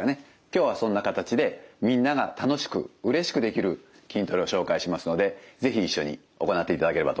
今日はそんな形でみんなが楽しくうれしくできる筋トレを紹介しますので是非一緒に行っていただければと思います。